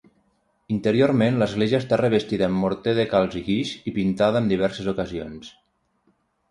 Interiorment l'església està revestida amb morter de calç i guix i pintada en diverses ocasions.